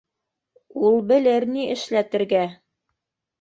Ул белер ни эшләтергә!